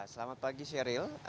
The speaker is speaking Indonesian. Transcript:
selamat pagi sheryl